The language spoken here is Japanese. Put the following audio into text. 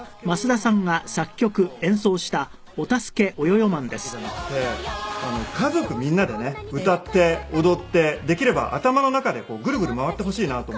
子供たちだけじゃなくて家族みんなでね歌って踊ってできれば頭の中でグルグル回ってほしいなと思って。